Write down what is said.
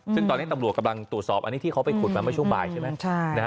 ซึ่งตอนนี้ตำรวจกำลังตรวจสอบอันนี้ที่เขาไปขุดมาเมื่อช่วงบ่ายใช่ไหม